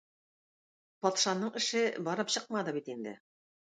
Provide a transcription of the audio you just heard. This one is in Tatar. Патшаның эше барып чыкмады бит инде.